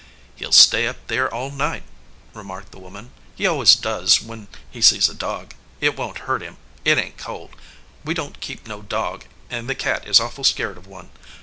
"He ll stay up there all night," remarked the woman. "He always does when he sees a dog. It won t hurt him. It ain t cold. We don t keep no dog, and the cat is awful scared of one.